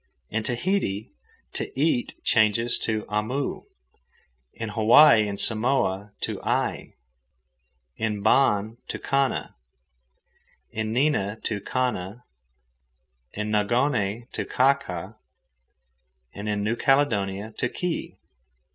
In Tahiti "to eat" changes to amu, in Hawaii and Samoa to ai, in Ban to kana, in Nina to kana, in Nongone to kaka, and in New Caledonia to ki.